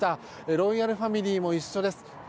ロイヤルファミリーも一緒です。